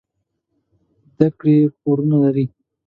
زده کړې پورونه لري.